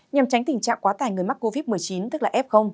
nhằm tránh tình trạng quá tải người mắc covid một mươi chín tức là f